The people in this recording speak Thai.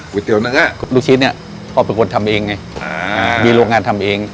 เตี๋ยวเนื้อชิ้นเนี้ยพ่อเป็นคนทำเองไงอ่ามีโรงงานทำเอง